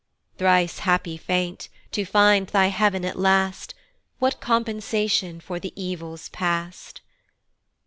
Thrice happy saint! to find thy heav'n at last, What compensation for the evils past!